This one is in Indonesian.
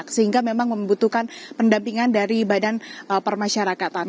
sehingga memang membutuhkan pendampingan dari badan permasyarakatan